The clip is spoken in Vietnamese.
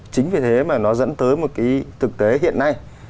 chính vì thế mà nó dẫn tới một cái thực tế hiện nay